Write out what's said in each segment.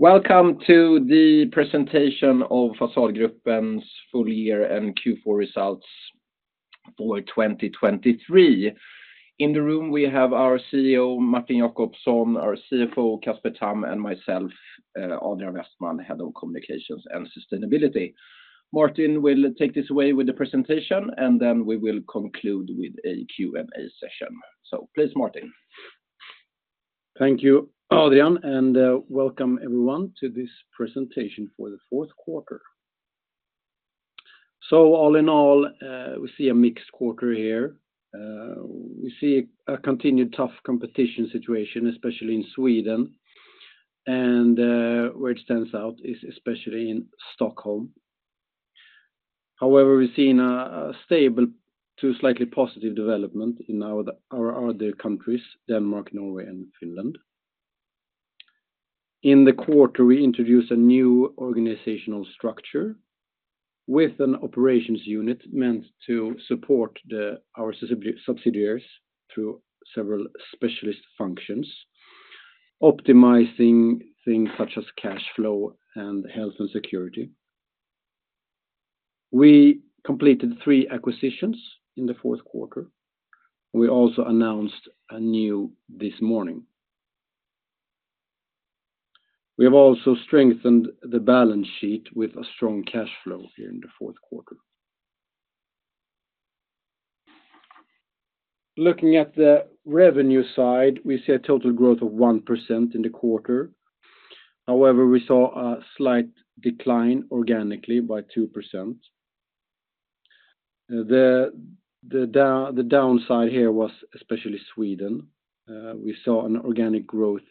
Welcome to the presentation of Fasadgruppen's full year and Q4 results for 2023. In the room we have our CEO Martin Jacobsson, our CFO Casper Tamm, and myself, Adrian Westman, Head of Communications and Sustainability. Martin will take this away with the presentation, and then we will conclude with a Q&A session. So please, Martin. Thank you, Adrian, and welcome everyone to this presentation for the fourth quarter. So all in all, we see a mixed quarter here. We see a continued tough competition situation, especially in Sweden, and where it stands out is especially in Stockholm. However, we're seeing a stable to slightly positive development in our other countries, Denmark, Norway, and Finland. In the quarter, we introduced a new organizational structure with an operations unit meant to support our subsidiaries through several specialist functions, optimizing things such as cash flow and health and security. We completed three acquisitions in the fourth quarter, and we also announced a new this morning. We have also strengthened the balance sheet with a strong cash flow here in the fourth quarter. Looking at the revenue side, we see a total growth of 1% in the quarter. However, we saw a slight decline organically by 2%. The downside here was especially Sweden. We saw an organic growth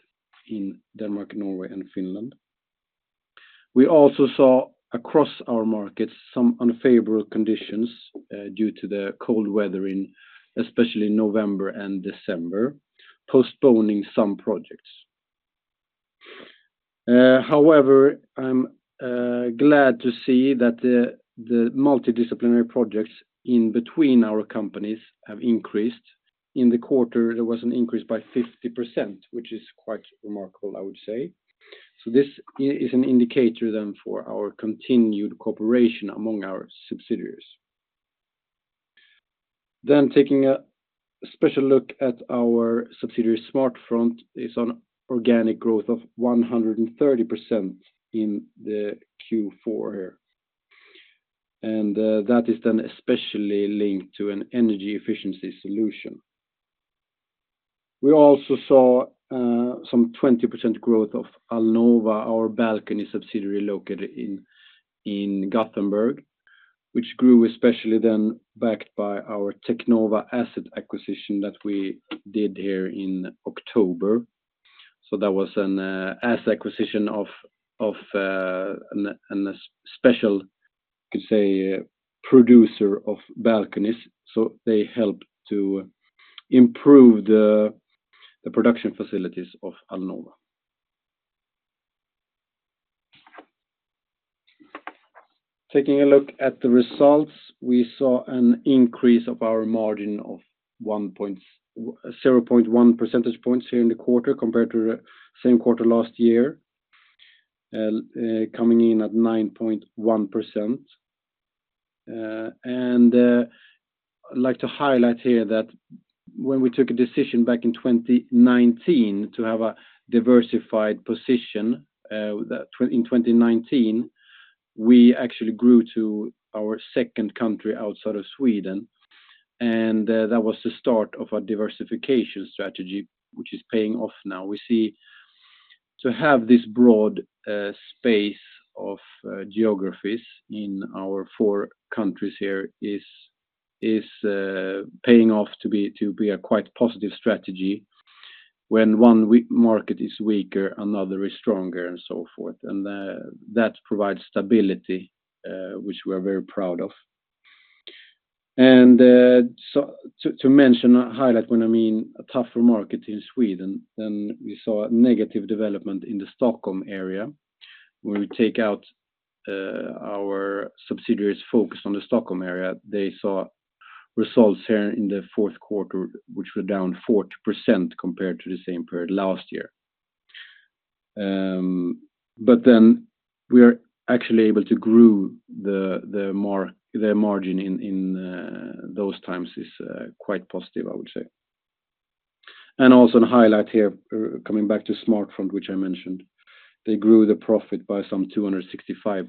in Denmark, Norway, and Finland. We also saw across our markets some unfavorable conditions due to the cold weathering, especially in November and December, postponing some projects. However, I'm glad to see that the multidisciplinary projects in between our companies have increased. In the quarter, there was an increase by 50%, which is quite remarkable, I would say. So this is an indicator then for our continued cooperation among our subsidiaries. Then taking a special look at our subsidiary Smartfront is on organic growth of 130% in the Q4 here. And that is then especially linked to an energy efficiency solution. We also saw some 20% growth of Alnova, our balcony subsidiary located in Gothenburg, which grew especially then backed by our Teknova asset acquisition that we did here in October. So that was an asset acquisition of a special, you could say, producer of balconies. So they helped to improve the production facilities of Alnova. Taking a look at the results, we saw an increase of our margin of 0.1 percentage points here in the quarter compared to the same quarter last year, coming in at 9.1%. And I'd like to highlight here that when we took a decision back in 2019 to have a diversified position, in 2019, we actually grew to our second country outside of Sweden. And that was the start of our diversification strategy, which is paying off now. We see to have this broad space of geographies in our four countries here is paying off to be a quite positive strategy when one market is weaker, another is stronger, and so forth. And that provides stability, which we are very proud of. To mention and highlight what I mean [by] a tougher market in Sweden, then we saw a negative development in the Stockholm area. When we take out our subsidiaries focused on the Stockholm area, they saw results here in the fourth quarter, which were down 40% compared to the same period last year. But then we are actually able to grow. The margin in those times is quite positive, I would say. And also to highlight here, coming back to Smartfront, which I mentioned, they grew the profit by some 265%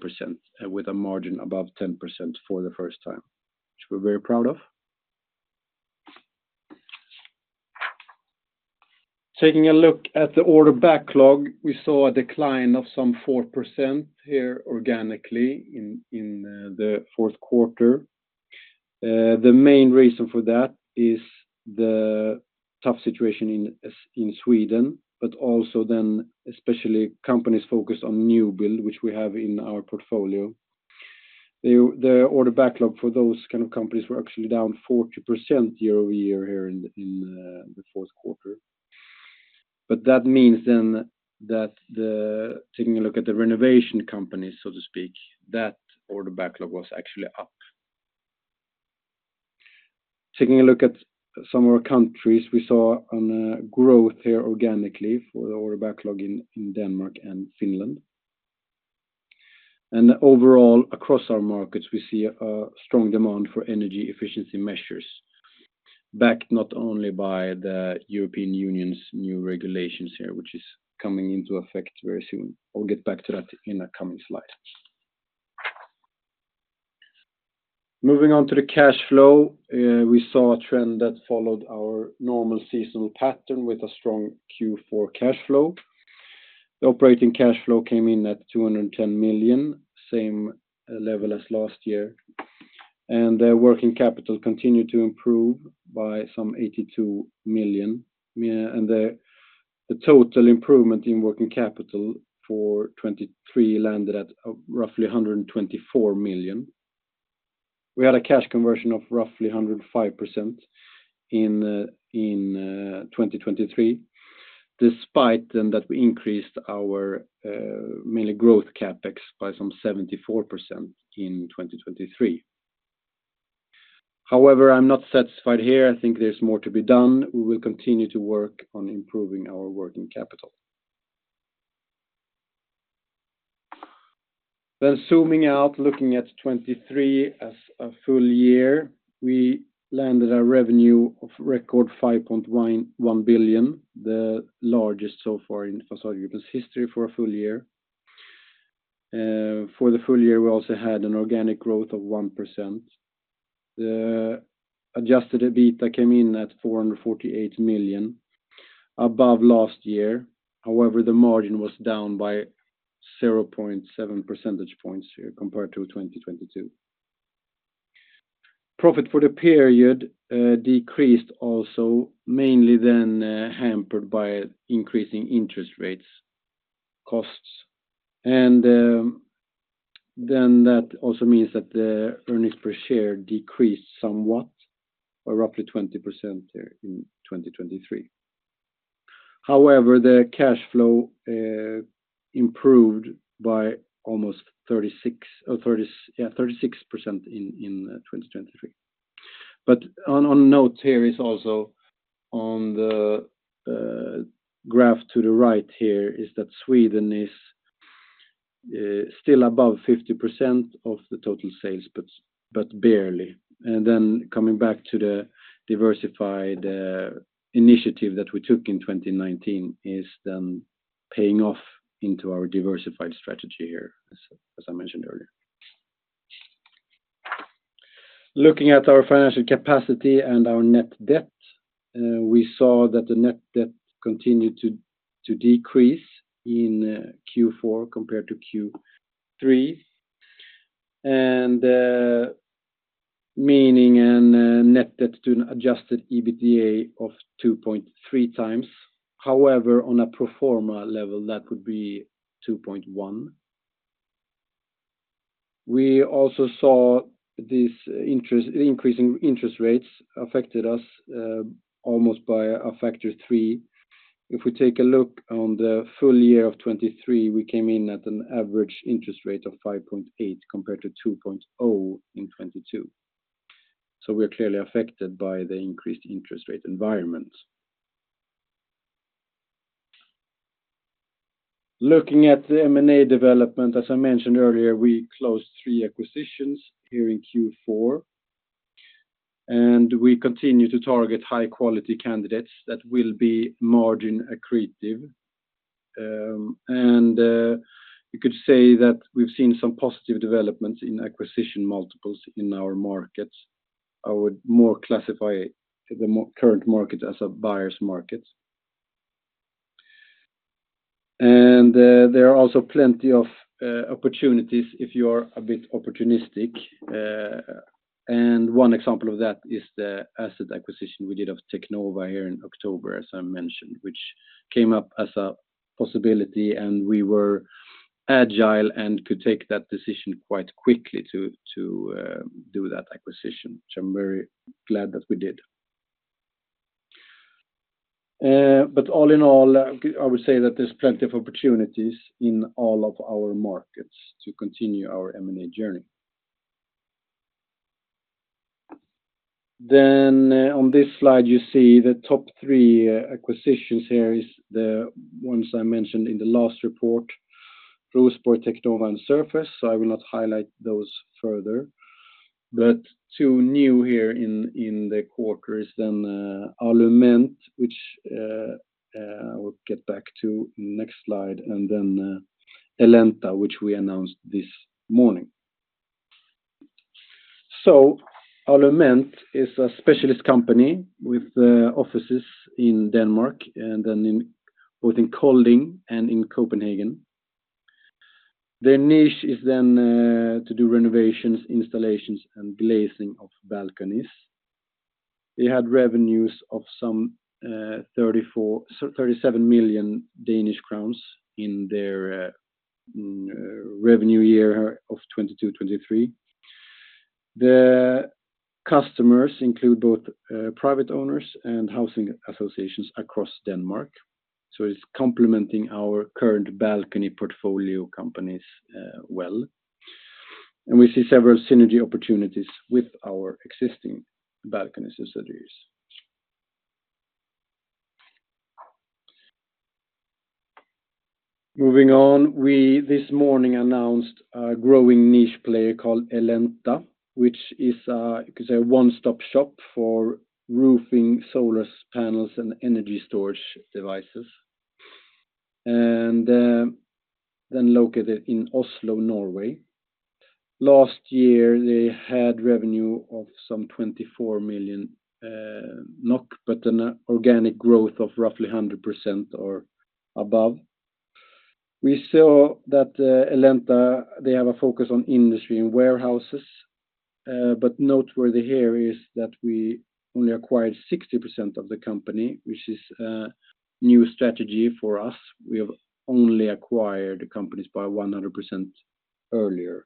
with a margin above 10% for the first time, which we're very proud of. Taking a look at the order backlog, we saw a decline of some 4% here organically in the fourth quarter. The main reason for that is the tough situation in Sweden, but also then especially companies focused on New Build, which we have in our portfolio. The order backlog for those kind of companies were actually down 40% year-over-year here in the fourth quarter. But that means then that taking a look at the renovation companies, so to speak, that order backlog was actually up. Taking a look at some of our countries, we saw growth here organically for the order backlog in Denmark and Finland. And overall, across our markets, we see a strong demand for energy efficiency measures, backed not only by the European Union's new regulations here, which is coming into effect very soon. I'll get back to that in a coming slide. Moving on to the cash flow, we saw a trend that followed our normal seasonal pattern with a strong Q4 cash flow. The operating cash flow came in at 210 million, same level as last year. And working capital continued to improve by some 82 million. The total improvement in working capital for 2023 landed at roughly 124 million. We had a cash conversion of roughly 105% in 2023, despite then that we increased our mainly growth CapEx by some 74% in 2023. However, I'm not satisfied here. I think there's more to be done. We will continue to work on improving our working capital. Then zooming out, looking at 2023 as a full year, we landed a revenue of record 5.1 billion, the largest so far in Fasadgruppen's history for a full year. For the full year, we also had an organic growth of 1%. The adjusted EBITDA came in at 448 million, above last year. However, the margin was down by 0.7 percentage points here compared to 2022. Profit for the period decreased also, mainly then hampered by increasing interest rates costs. Then that also means that the earnings per share decreased somewhat by roughly 20% here in 2023. However, the cash flow improved by almost 36% in 2023. But one note here is also on the graph to the right here is that Sweden is still above 50% of the total sales, but barely. And then coming back to the diversified initiative that we took in 2019 is then paying off into our diversified strategy here, as I mentioned earlier. Looking at our financial capacity and our net debt, we saw that the net debt continued to decrease in Q4 compared to Q3, meaning a net debt to an adjusted EBITDA of 2.3x. However, on a pro forma level, that would be 2.1. We also saw this increasing interest rates affected us almost by a factor of three. If we take a look at the full year of 2023, we came in at an average interest rate of 5.8 compared to 2.0 in 2022. So we're clearly affected by the increased interest rate environment. Looking at the M&A development, as I mentioned earlier, we closed three acquisitions here in Q4. We continue to target high-quality candidates that will be margin accretive. You could say that we've seen some positive developments in acquisition multiples in our markets. I would more classify the current market as a buyer's market. There are also plenty of opportunities if you are a bit opportunistic. One example of that is the asset acquisition we did of Teknova here in October, as I mentioned, which came up as a possibility. We were agile and could take that decision quite quickly to do that acquisition, which I'm very glad that we did. All in all, I would say that there's plenty of opportunities in all of our markets to continue our M&A journey. On this slide, you see the top three acquisitions here is the ones I mentioned in the last report, Rörs Betong, Teknova, and Surface. I will not highlight those further. Two new here in the quarter is then Alument, which I will get back to next slide, and then Elenta, which we announced this morning. Alument is a specialist company with offices in Denmark and then both in Kolding and in Copenhagen. Their niche is then to do renovations, installations, and glazing of balconies. They had revenues of some 37 million Danish crowns in their revenue year of 2022-2023. The customers include both private owners and housing associations across Denmark. It's complementing our current balcony portfolio companies well. We see several synergy opportunities with our existing balcony subsidiaries. Moving on, we this morning announced a growing niche player called Elenta, which is a one-stop shop for roofing, solar panels, and energy storage devices, and then located in Oslo, Norway. Last year, they had revenue of some 24 million NOK, but then organic growth of roughly 100% or above. We saw that Elenta, they have a focus on industry and warehouses. Noteworthy here is that we only acquired 60% of the company, which is a new strategy for us. We have only acquired companies by 100% earlier.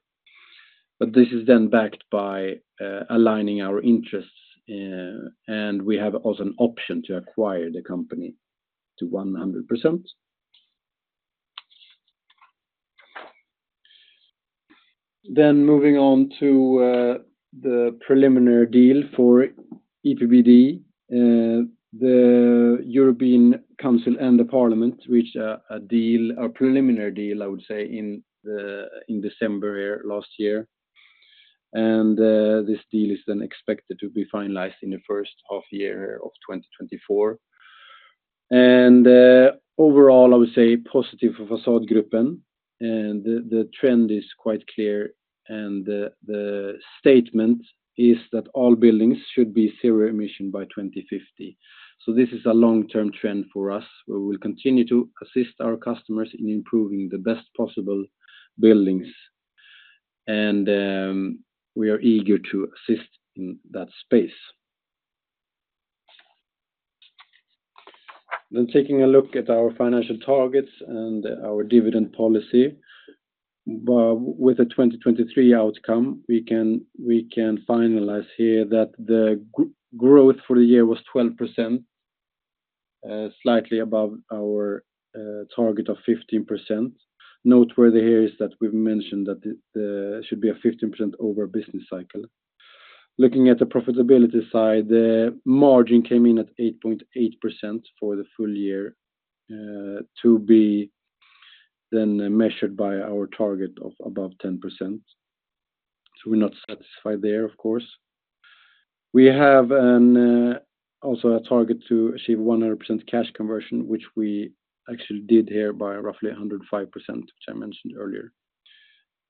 This is then backed by aligning our interests, and we have also an option to acquire the company to 100%. Then moving on to the preliminary deal for EPBD, the European Council and the Parliament reached a deal, a preliminary deal, I would say, in December last year. This deal is then expected to be finalized in the first half year here of 2024. Overall, I would say positive for Fasadgruppen. The trend is quite clear. The statement is that all buildings should be zero emission by 2050. This is a long-term trend for us. We will continue to assist our customers in improving the best possible buildings. We are eager to assist in that space. Then taking a look at our financial targets and our dividend policy, with a 2023 outcome, we can finalize here that the growth for the year was 12%, slightly above our target of 15%. Noteworthy here is that we've mentioned that there should be a 15% over business cycle. Looking at the profitability side, the margin came in at 8.8% for the full year to be then measured by our target of above 10%. So we're not satisfied there, of course. We have also a target to achieve 100% cash conversion, which we actually did here by roughly 105%, which I mentioned earlier.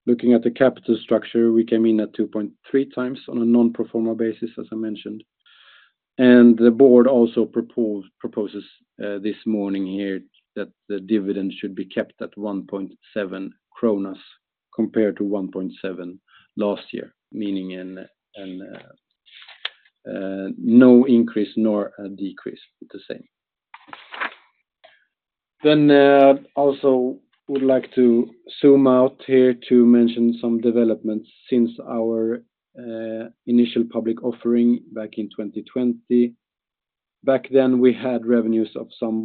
Looking at the capital structure, we came in at 2.3 times on a non-pro forma basis, as I mentioned. And the board also proposes this morning here that the dividend should be kept at 1.7 kronor compared to 1.7 last year, meaning no increase nor a decrease. It's the same. Then also would like to zoom out here to mention some developments since our initial public offering back in 2020. Back then, we had revenues of some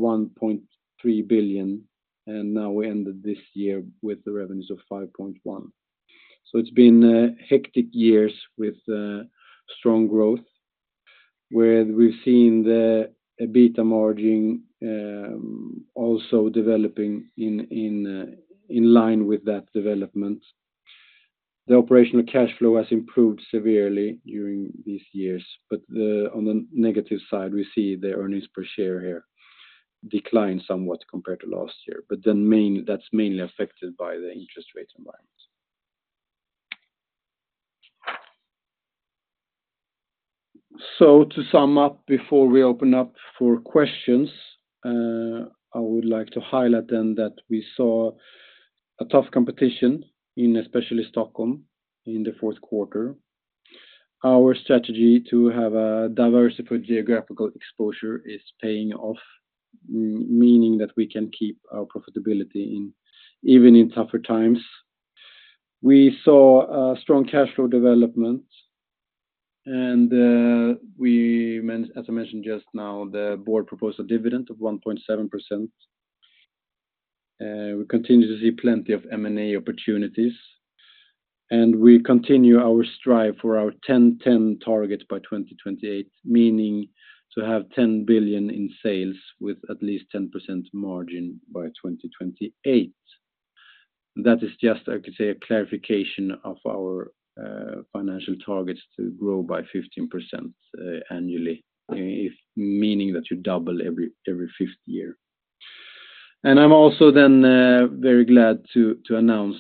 1.3 billion, and now we ended this year with the revenues of 5.1 billion. So it's been hectic years with strong growth, where we've seen the EBITDA margin also developing in line with that development. The operational cash flow has improved severely during these years. But on the negative side, we see the earnings per share here decline somewhat compared to last year. But then that's mainly affected by the interest rate environment. So to sum up before we open up for questions, I would like to highlight then that we saw a tough competition in especially Stockholm in the fourth quarter. Our strategy to have a diversified geographical exposure is paying off, meaning that we can keep our profitability even in tougher times. We saw a strong cash flow development. And as I mentioned just now, the board proposed a dividend of 1.7%. We continue to see plenty of M&A opportunities. We continue our strive for our 10-10 target by 2028, meaning to have 10 billion in sales with at least 10% margin by 2028. That is just, I could say, a clarification of our financial targets to grow by 15% annually, meaning that you double every fifth year. I'm also then very glad to announce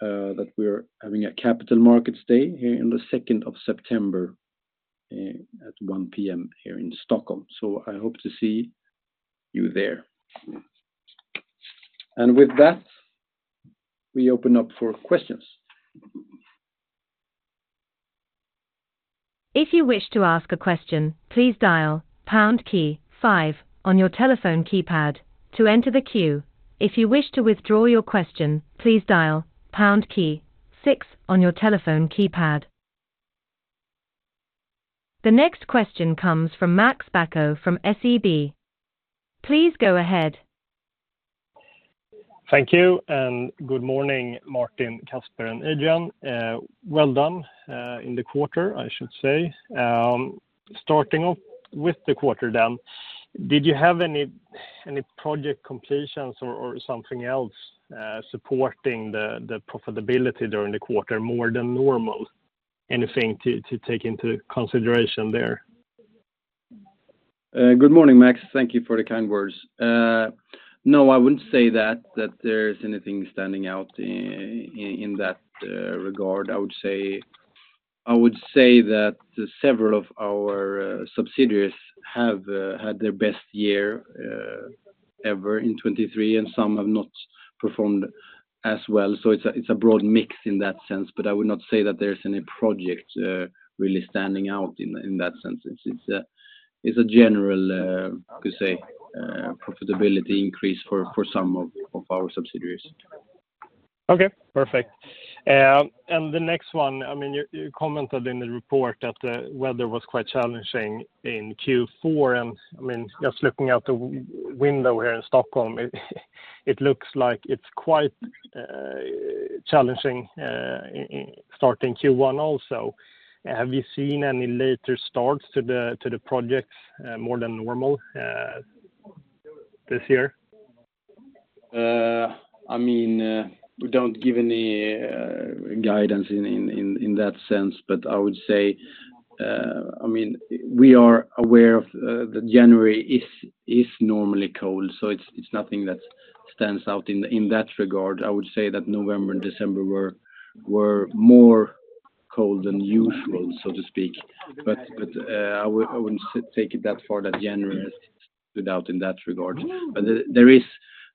that we are having a Capital Markets Day here on the 2nd of September at 1:00 P.M. here in Stockholm. I hope to see you there. With that, we open up for questions. If you wish to ask a question, please dial pound key 5 on your telephone keypad to enter the queue. If you wish to withdraw your question, please dial pound key 6 on your telephone keypad. The next question comes from Max Bäck from SEB. Please go ahead. Thank you. Good morning, Martin, Casper, and Adrian. Well done in the quarter, I should say. Starting off with the quarter then, did you have any project completions or something else supporting the profitability during the quarter more than normal? Anything to take into consideration there? Good morning, Max. Thank you for the kind words. No, I wouldn't say that there's anything standing out in that regard. I would say that several of our subsidiaries have had their best year ever in 2023, and some have not performed as well. So it's a broad mix in that sense. But I would not say that there's any project really standing out in that sense. It's a general, I could say, profitability increase for some of our subsidiaries. Okay. Perfect. And the next one, I mean, you commented in the report that the weather was quite challenging in Q4. And I mean, just looking out the window here in Stockholm, it looks like it's quite challenging starting Q1 also. Have you seen any later starts to the projects more than normal this year? I mean, we don't give any guidance in that sense. But I would say, I mean, we are aware of that January is normally cold. So it's nothing that stands out in that regard. I would say that November and December were more cold than usual, so to speak. But I wouldn't take it that far that January stood out in that regard. But there is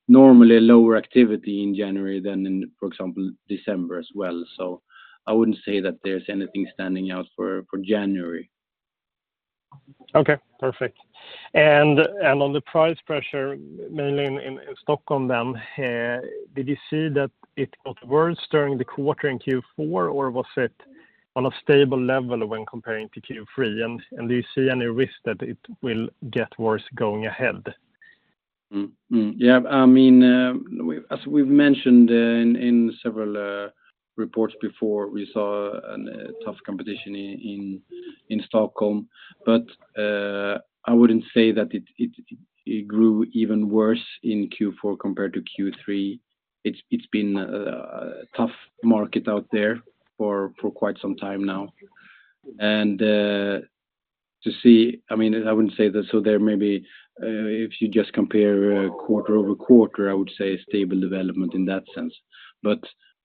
normally lower activity in January than, for example, December as well. So I wouldn't say that there's anything standing out for January. Okay. Perfect. And on the price pressure, mainly in Stockholm then, did you see that it got worse during the quarter in Q4, or was it on a stable level when comparing to Q3? And do you see any risk that it will get worse going ahead? Yeah. I mean, as we've mentioned in several reports before, we saw a tough competition in Stockholm. But I wouldn't say that it grew even worse in Q4 compared to Q3. It's been a tough market out there for quite some time now. And to see, I mean, I wouldn't say that. So there maybe if you just compare quarter-over-quarter, I would say stable development in that sense. But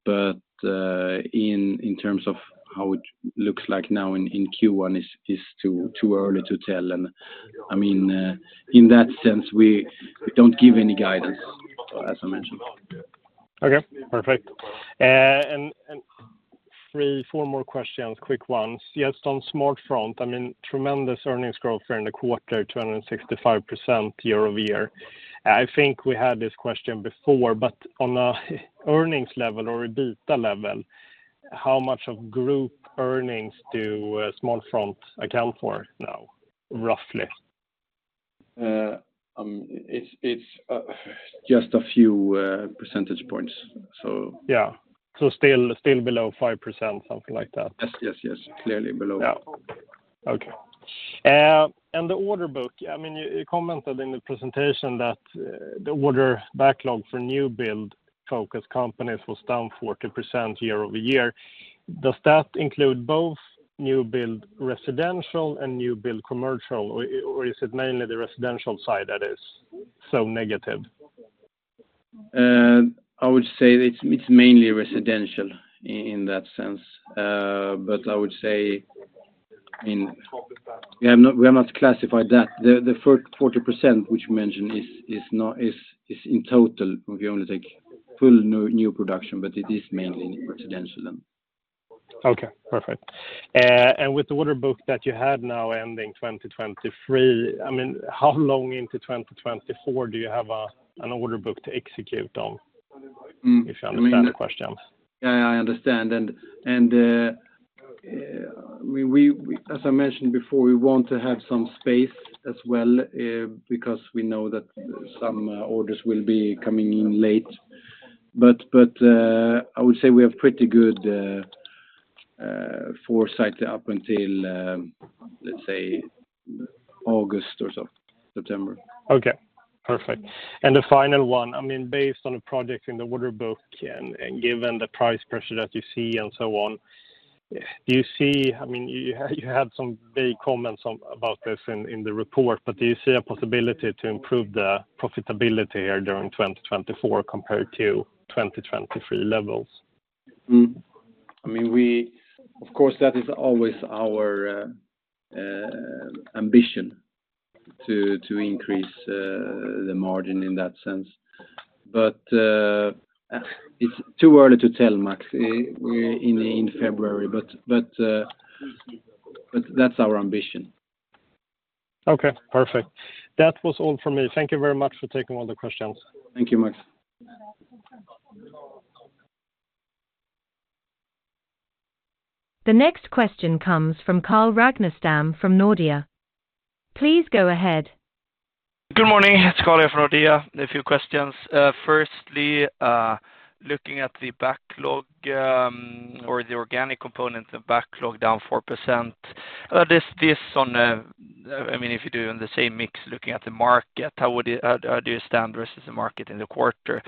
in terms of how it looks like now in Q1, it's too early to tell. And I mean, in that sense, we don't give any guidance, as I mentioned. Okay. Perfect. 3-4 more questions, quick ones. Yes, on Smartfront, I mean, tremendous earnings growth during the quarter, 265% year-over-year. I think we had this question before. But on an earnings level or an EBITDA level, how much of group earnings do Smartfront account for now, roughly? It's just a few percentage points, so. Yeah. Still below 5%, something like that. Yes, yes, yes. Clearly below. Yeah. Okay. The order book, I mean, you commented in the presentation that the order backlog for new build-focused companies was down 40% year-over-year. Does that include both new build residential and new build commercial, or is it mainly the residential side that is so negative? I would say it's mainly residential in that sense. But I would say, I mean, we have not classified that. The first 40% which you mentioned is in total if you only take full new production, but it is mainly residential then. Okay. Perfect. With the order book that you had now ending 2023, I mean, how long into 2024 do you have an order book to execute on, if you understand the questions? Yeah, I understand. And I mean, as I mentioned before, we want to have some space as well because we know that some orders will be coming in late. But I would say we have pretty good foresight up until, let's say, August or so, September. Okay. Perfect. And the final one, I mean, based on the projects in the order book and given the price pressure that you see and so on, do you see, I mean, you had some vague comments about this in the report, but do you see a possibility to improve the profitability here during 2024 compared to 2023 levels? I mean, of course, that is always our ambition to increase the margin in that sense. But it's too early to tell, Max, in February. But that's our ambition. Okay. Perfect. That was all from me. Thank you very much for taking all the questions. Thank you, Max. The next question comes from Carl Ragnerstam from Nordea. Please go ahead. Good morning. It's Carl here from Nordea. A few questions. Firstly, looking at the backlog or the organic component of backlog down 4%, this one, I mean, if you do the same mix looking at the market, how do you stand versus the market in the quarter?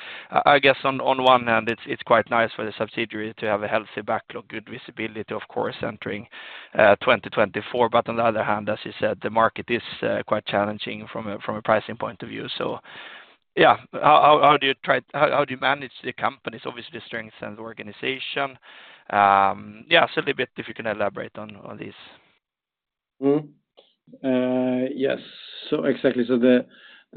I guess on one hand, it's quite nice for the subsidiary to have a healthy backlog, good visibility, of course, entering 2024. But on the other hand, as you said, the market is quite challenging from a pricing point of view. So yeah, how do you try how do you manage the companies? Obviously, strengths and organization. Yeah. So a little bit if you can elaborate on these. Yes. So exactly. So the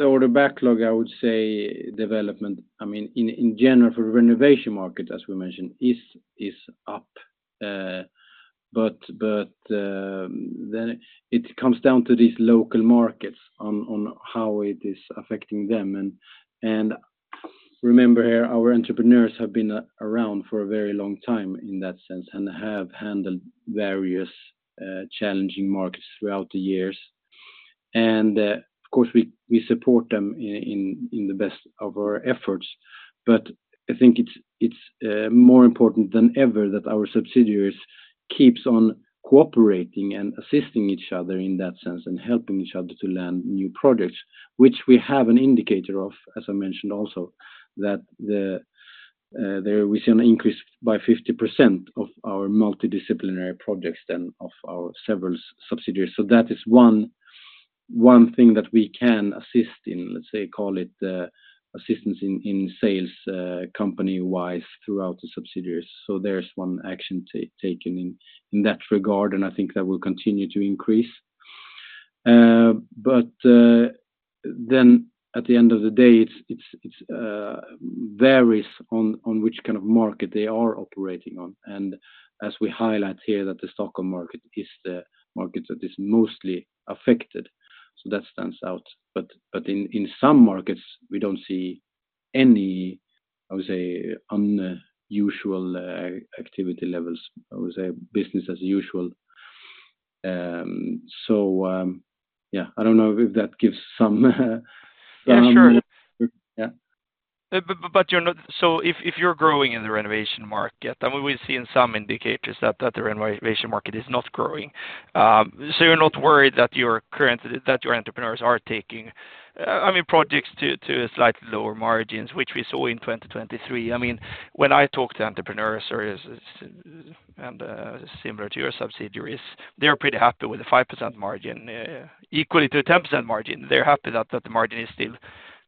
order backlog, I would say, development, I mean, in general for the renovation market, as we mentioned, is up. But then it comes down to these local markets on how it is affecting them. And remember here, our entrepreneurs have been around for a very long time in that sense and have handled various challenging markets throughout the years. And of course, we support them in the best of our efforts. But I think it's more important than ever that our subsidiaries keep on cooperating and assisting each other in that sense and helping each other to land new projects, which we have an indicator of, as I mentioned also, that we see an increase by 50% of our multidisciplinary projects than of our several subsidiaries. So that is one thing that we can assist in, let's say, call it assistance in sales company-wise throughout the subsidiaries. So there's one action taken in that regard. And I think that will continue to increase. But then at the end of the day, it varies on which kind of market they are operating on. And as we highlight here that the Stockholm market is the market that is mostly affected, so that stands out. But in some markets, we don't see any, I would say, unusual activity levels, I would say, business as usual. So yeah, I don't know if that gives some. Yeah. Sure. If you're growing in the renovation market, I mean, we've seen some indicators that the renovation market is not growing. You're not worried that your entrepreneurs are taking, I mean, projects to slightly lower margins, which we saw in 2023. I mean, when I talk to entrepreneurs and similar to your subsidiaries, they're pretty happy with a 5% margin, equally to a 10% margin. They're happy that the margin is still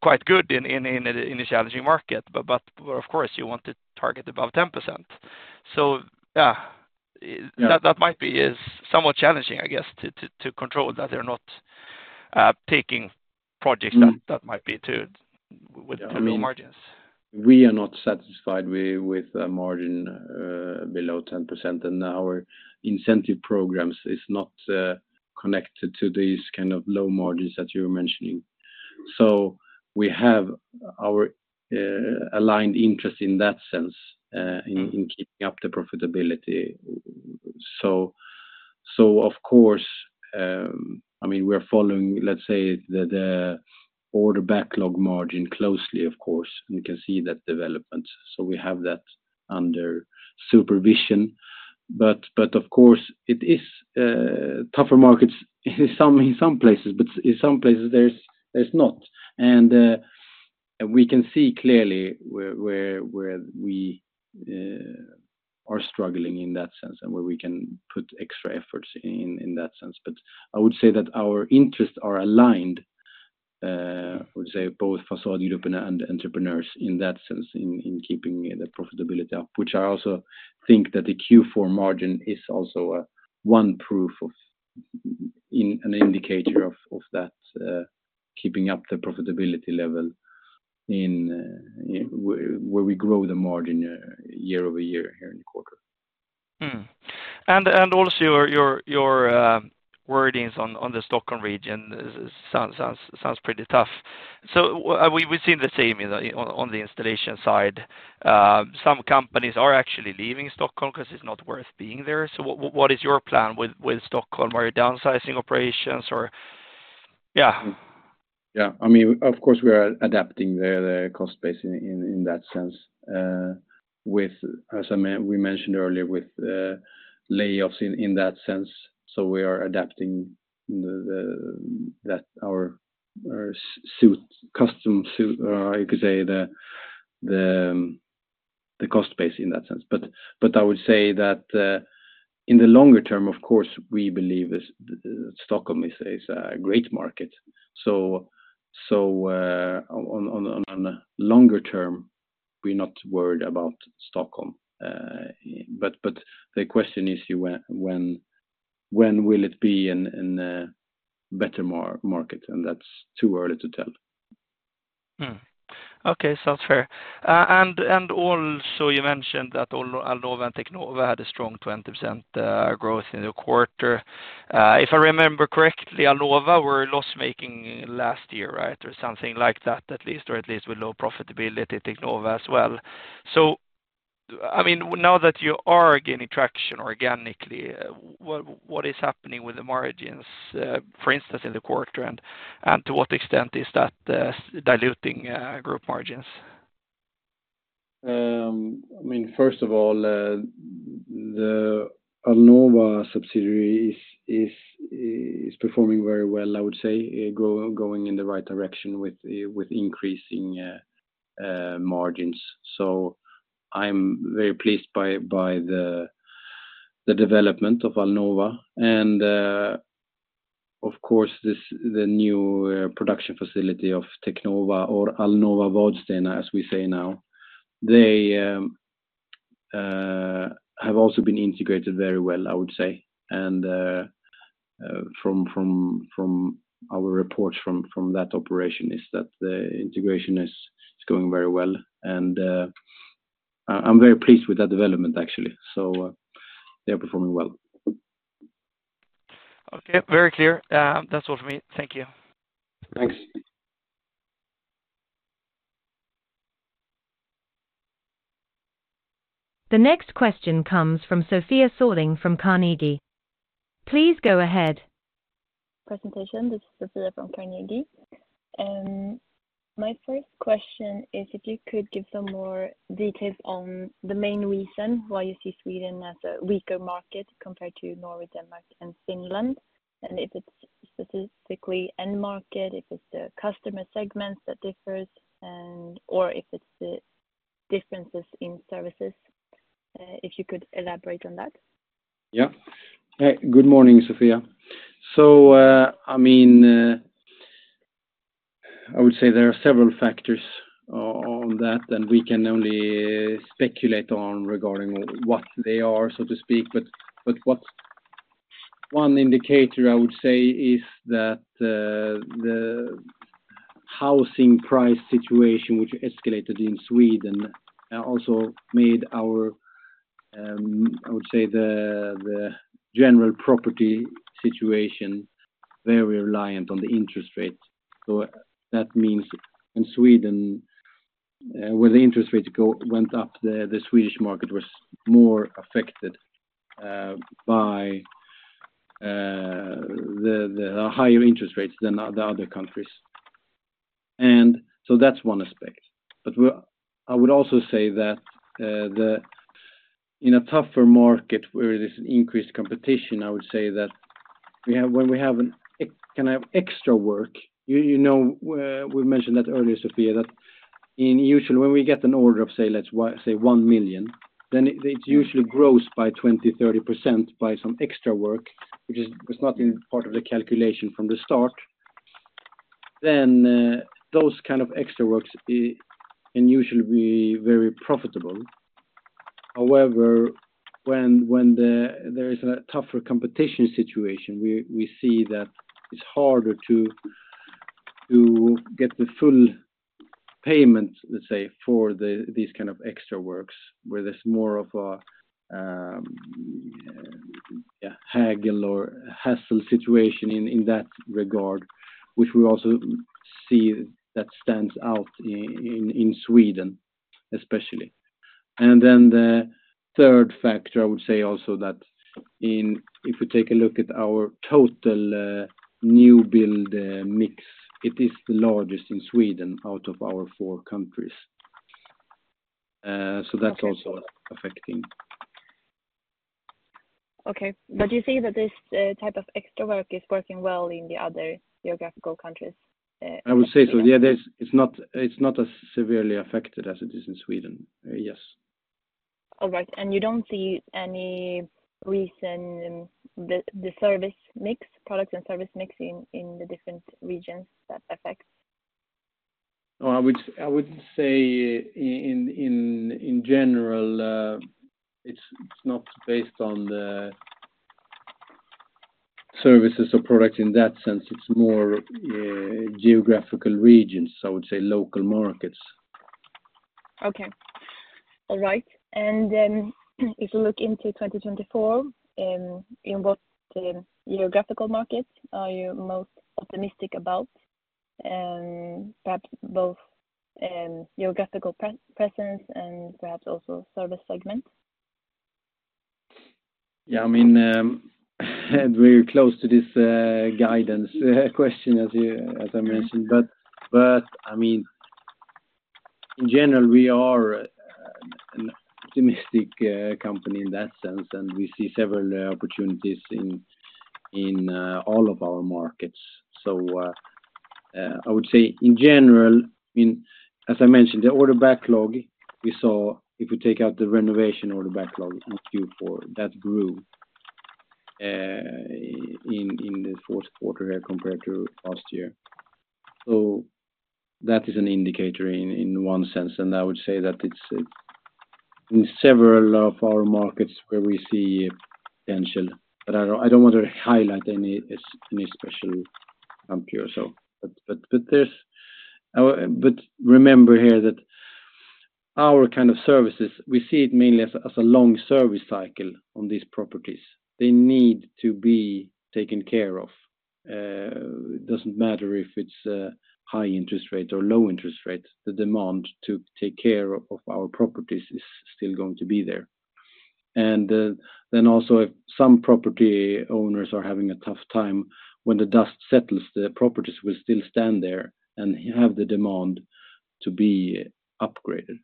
quite good in a challenging market. Of course, you want to target above 10%. Yeah, that might be somewhat challenging, I guess, to control that they're not taking projects that might be too with low margins. We are not satisfied with a margin below 10%. And our incentive programs are not connected to these kind of low margins that you were mentioning. So we have our aligned interest in that sense, in keeping up the profitability. So of course, I mean, we're following, let's say, the order backlog margin closely, of course, and can see that development. So we have that under supervision. But of course, it is tougher markets in some places, but in some places, there's not. And we can see clearly where we are struggling in that sense and where we can put extra efforts in that sense. But I would say that our interests are aligned, I would say, both Fasadgruppen and the entrepreneurs in that sense, in keeping the profitability up, which I also think that the Q4 margin is also one proof of an indicator of that, keeping up the profitability level where we grow the margin year over year here in the quarter. Also, your wordings on the Stockholm region sounds pretty tough. We've seen the same on the installation side. Some companies are actually leaving Stockholm because it's not worth being there. What is your plan with Stockholm? Are you downsizing operations, or? Yeah. Yeah. I mean, of course, we are adapting the cost base in that sense, as we mentioned earlier, with layoffs in that sense. So we are adapting our custom suit, you could say, the cost base in that sense. But I would say that in the longer term, of course, we believe Stockholm is a great market. So on a longer term, we're not worried about Stockholm. But the question is, when will it be a better market? And that's too early to tell. Okay. Sounds fair. And also, you mentioned that Alnova and Teknova had a strong 20% growth in the quarter. If I remember correctly, Alnova were loss-making last year, right, or something like that at least, or at least with low profitability, Teknova as well. So I mean, now that you are gaining traction organically, what is happening with the margins, for instance, in the quarter? And to what extent is that diluting group margins? I mean, first of all, the Alnova subsidiary is performing very well, I would say, going in the right direction with increasing margins. So I'm very pleased by the development of Alnova. And of course, the new production facility of Teknova or Alnova Vadstena, as we say now, they have also been integrated very well, I would say. And from our reports from that operation, it's that the integration is going very well. And I'm very pleased with that development, actually. So they are performing well. Okay. Very clear. That's all from me. Thank you. Thanks. The next question comes from Sofia Sörling from Carnegie. Please go ahead. Presentation. This is Sofia from Carnegie. My first question is if you could give some more details on the main reason why you see Sweden as a weaker market compared to Norway, Denmark, and Finland, and if it's specifically end market, if it's the customer segments that differs, or if it's the differences in services, if you could elaborate on that? Yeah. Good morning, Sofia. So I mean, I would say there are several factors on that, and we can only speculate regarding what they are, so to speak. But one indicator, I would say, is that the housing price situation, which escalated in Sweden, also made our, I would say, the general property situation very reliant on the interest rate. So that means in Sweden, where the interest rates went up, the Swedish market was more affected by the higher interest rates than the other countries. And so that's one aspect. But I would also say that in a tougher market where there's increased competition, I would say that when we can have extra work, we've mentioned that earlier, Sofia, that usually when we get an order of, say, 1 million, then it usually grows by 20%-30% by some extra work, which was not part of the calculation from the start. Then those kind of extra works can usually be very profitable. However, when there is a tougher competition situation, we see that it's harder to get the full payment, let's say, for these kind of extra works where there's more of a haggle or hassle situation in that regard, which we also see that stands out in Sweden, especially. And then the third factor, I would say also, that if we take a look at our total New Build mix, it is the largest in Sweden out of our four countries. So that's also affecting. Okay. But you see that this type of extra work is working well in the other geographical countries? I would say so. Yeah. It's not as severely affected as it is in Sweden. Yes. All right. And you don't see any recent product and service mix in the different regions that affects? I would say in general, it's not based on the services or products in that sense. It's more geographical regions, I would say, local markets. Okay. All right. If you look into 2024, in what geographical markets are you most optimistic about, perhaps both geographical presence and perhaps also service segment? Yeah. I mean, we're close to this guidance question, as I mentioned. But I mean, in general, we are an optimistic company in that sense, and we see several opportunities in all of our markets. So I would say in general, I mean, as I mentioned, the order backlog we saw, if we take out the renovation order backlog in Q4, that grew in the fourth quarter here compared to last year. So that is an indicator in one sense. And I would say that it's in several of our markets where we see potential. But I don't want to highlight any special company or so. But remember here that our kind of services, we see it mainly as a long service cycle on these properties. They need to be taken care of. It doesn't matter if it's a high interest rate or low interest rate. The demand to take care of our properties is still going to be there. Then also, if some property owners are having a tough time when the dust settles, the properties will still stand there and have the demand to be upgraded.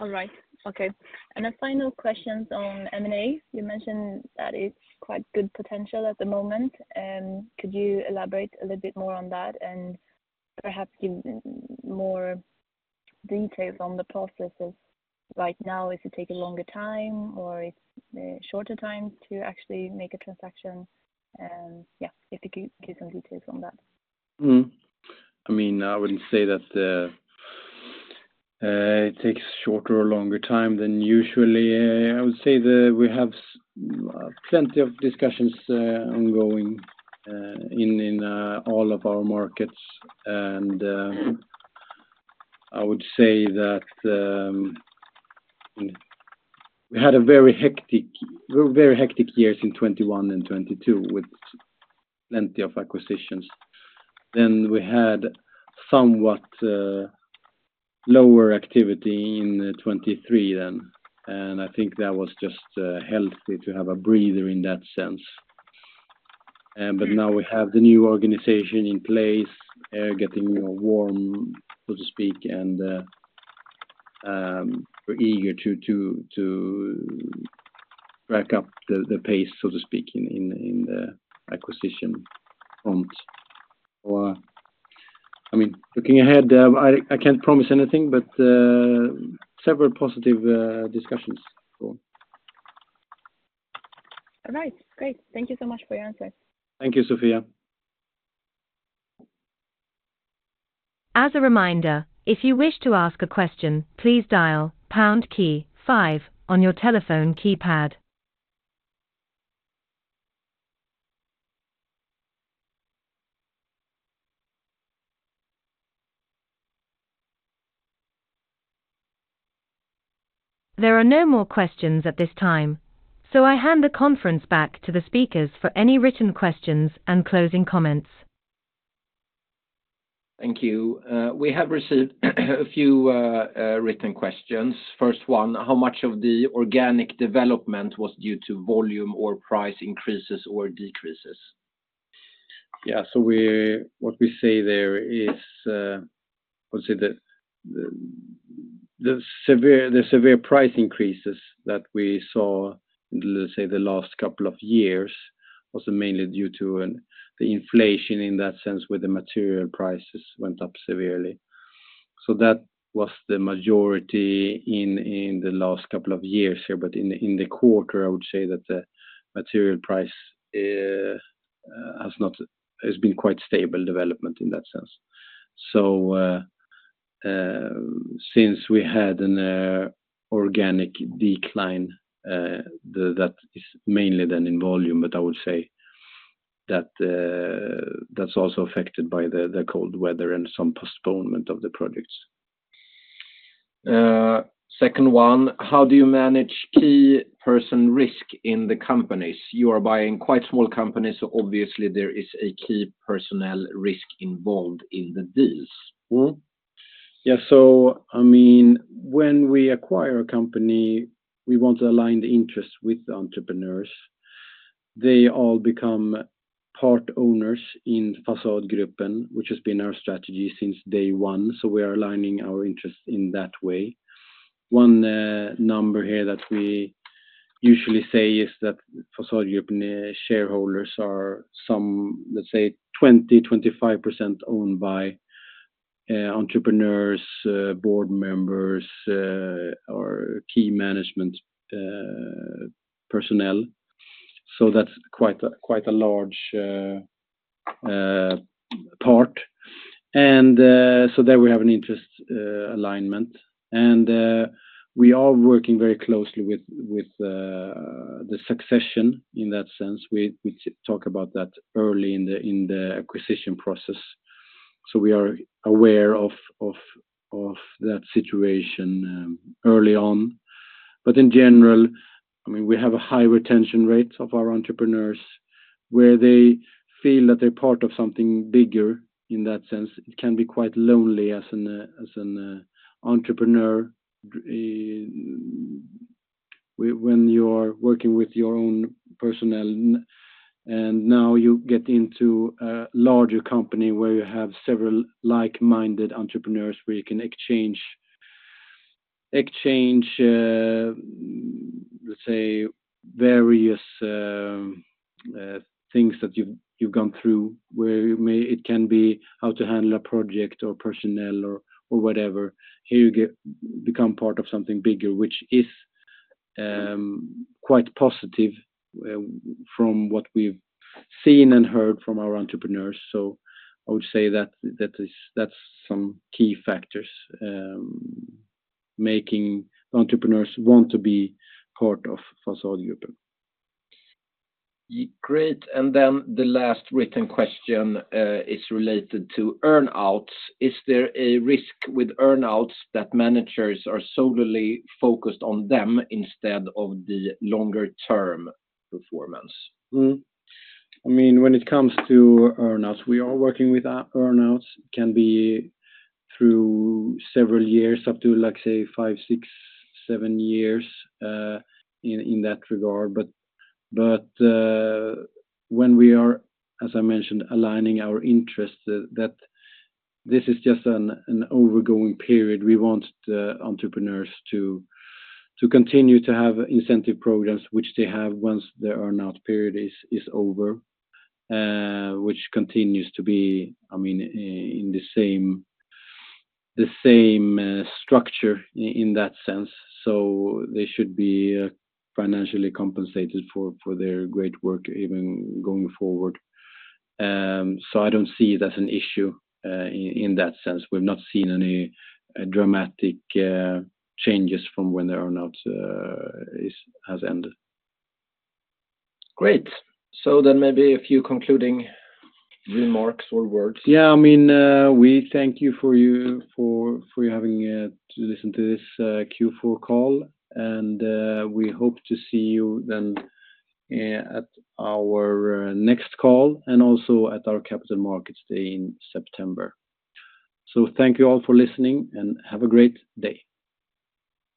All right. Okay. A final question on M&A. You mentioned that it's quite good potential at the moment. Could you elaborate a little bit more on that and perhaps give more details on the processes right now? Does it take a longer time, or is it a shorter time to actually make a transaction? Yeah, if you could give some details on that. I mean, I wouldn't say that it takes shorter or longer time than usually. I would say we have plenty of discussions ongoing in all of our markets. And I would say that we had very hectic years in 2021 and 2022 with plenty of acquisitions. Then we had somewhat lower activity in 2023 then. And I think that was just healthy to have a breather in that sense. But now we have the new organization in place, getting warm, so to speak, and we're eager to track up the pace, so to speak, in the acquisition front. I mean, looking ahead, I can't promise anything, but several positive discussions, so. All right. Great. Thank you so much for your answers. Thank you, Sofia. As a reminder, if you wish to ask a question, please dial pound key 5 on your telephone keypad. There are no more questions at this time, so I hand the conference back to the speakers for any written questions and closing comments. Thank you. We have received a few written questions. First one, how much of the organic development was due to volume or price increases or decreases? Yeah. So what we say there is, I would say, the severe price increases that we saw, let's say, the last couple of years was mainly due to the inflation in that sense where the material prices went up severely. So that was the majority in the last couple of years here. But in the quarter, I would say that the material price has been quite stable development in that sense. So since we had an organic decline, that is mainly then in volume, but I would say that's also affected by the cold weather and some postponement of the projects. Second one, how do you manage key person risk in the companies? You are buying quite small companies, so obviously, there is a key personnel risk involved in the deals. Yeah. So I mean, when we acquire a company, we want to align the interests with the entrepreneurs. They all become part owners in Fasadgruppen, which has been our strategy since day one. So we are aligning our interests in that way. One number here that we usually say is that Fasadgruppen shareholders are, let's say, 20%-25% owned by entrepreneurs, board members, or key management personnel. So that's quite a large part. And so there we have an interest alignment. And we are working very closely with the succession in that sense. We talk about that early in the acquisition process. So we are aware of that situation early on. But in general, I mean, we have a high retention rate of our entrepreneurs where they feel that they're part of something bigger in that sense. It can be quite lonely as an entrepreneur when you are working with your own personnel. And now you get into a larger company where you have several like-minded entrepreneurs where you can exchange, let's say, various things that you've gone through, where it can be how to handle a project or personnel or whatever. Here, you become part of something bigger, which is quite positive from what we've seen and heard from our entrepreneurs. So I would say that's some key factors making the entrepreneurs want to be part of Fasadgruppen. Great. Then the last written question is related to earnouts. Is there a risk with earnouts that managers are solely focused on them instead of the longer-term performance? I mean, when it comes to earnouts, we are working with earnouts. It can be through several years, up to, let's say, 5, 6, 7 years in that regard. But when we are, as I mentioned, aligning our interests, this is just an ongoing period. We want entrepreneurs to continue to have incentive programs, which they have once the earnout period is over, which continues to be, I mean, in the same structure in that sense. So they should be financially compensated for their great work even going forward. So I don't see it as an issue in that sense. We've not seen any dramatic changes from when the earnout has ended. Great. So then maybe a few concluding remarks or words. Yeah. I mean, we thank you for having to listen to this Q4 call, and we hope to see you then at our next call and also at our Capital Markets Day in September. So thank you all for listening, and have a great day.